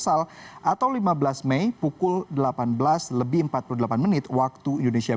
atau lima belas mei pukul delapan belas empat puluh delapan wu